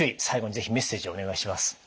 最後に是非メッセージをお願いします。